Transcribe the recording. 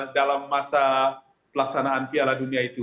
dalam masa pelaksanaan piala dunia itu